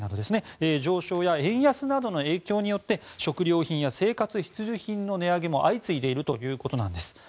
その上昇や円安などの影響によって食品や生活必需品の値上げも相次いでいるということです。